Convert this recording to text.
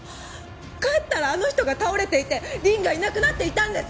帰ったらあの人が倒れていて凛がいなくなっていたんです！